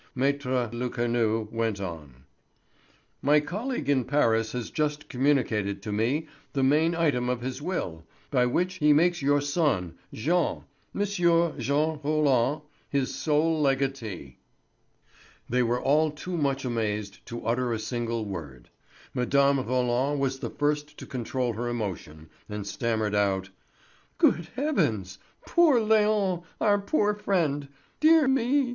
Maître Lecanu went on: "My colleague in Paris has just communicated to me the main item of his will, by which he makes your son Jean—Monsieur Jean Roland—his sole legatee." They were all too much amazed to utter a single word. Mme. Roland was the first to control her emotion and stammered out: "Good heavens! Poor Léon—our poor friend! Dear me!